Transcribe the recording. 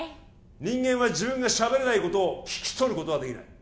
人間は自分が喋れないことを聞き取ることはできない